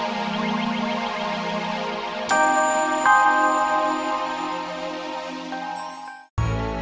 kamu harus sembuh